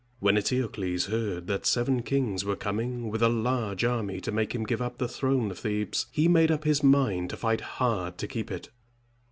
When Eteocles heard that seven kings were coming with a large army to make him give up the throne of Thebes, he made up his mind to fight hard to keep it.